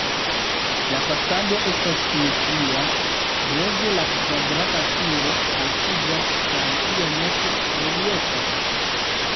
La fasado estas simetria, meze la kvadrata turo altiĝas kaj iomete reliefas.